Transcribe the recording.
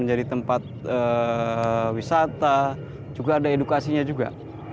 jadi tempat wisata juga ada edukasinya juga